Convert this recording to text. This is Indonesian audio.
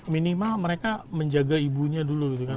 minimal mereka menjaga ibunya dulu gitu kan